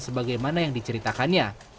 sebagaimana yang diceritakannya